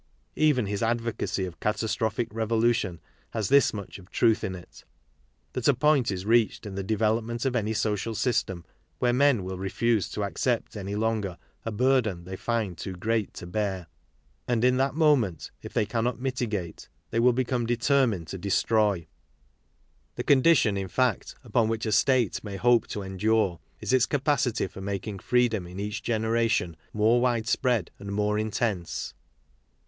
Even his advocacy of catastrophic revolution has this much of truth in it, that a point is reached in the development of any social system where men will refuse to accept any longer a burden they find too great to bear; and, in that moment, if they cannot mitigate, they will become determined to 1 destroy. The condition, in fact, upon which a state may hope to endure is its capacity for making freedom in each generation more widespread and more intense.